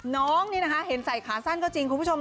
น้องนี่นะคะเห็นใส่ขาสั้นก็จริงคุณผู้ชม